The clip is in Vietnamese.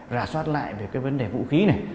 rà soát lại về cái vấn đề vũ khí này